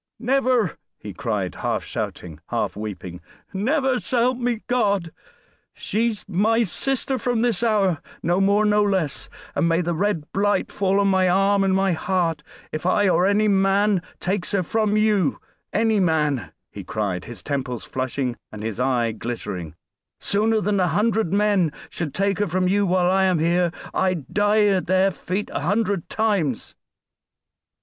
"Never!" he cried, half shouting, half weeping. "Never, s'help me God! She's my sister from this hour no more, no less. And may the red blight fall on my arm and my heart, if I or any man takes her from you any man!" he cried, his temples flushing and his eye glittering; "sooner than a hundred men should take her from you while I am here I'd die at their feet a hundred times."